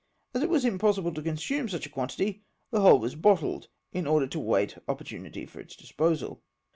As it was impossible to consume such a quantity, the whole was bottled, in order to await opportunity for its disposal.